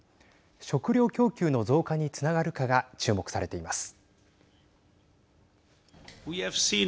食料供給の増加につながるかが注目されています。